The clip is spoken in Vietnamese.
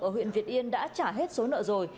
ở huyện việt yên đã trả hết số nợ rồi